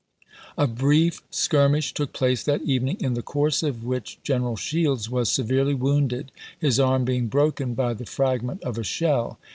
A brief skirmish took place that evening, in the course of which G eneral Shields was severely wounded, his arm being broken by the fragment of a shell.